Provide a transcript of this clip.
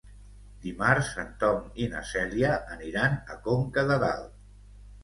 Dimarts en Tom i na Cèlia aniran a Conca de Dalt.